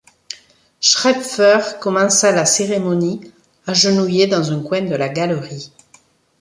Schrepfer commença la cérémonie, agenouillé dans un coin de la galerie.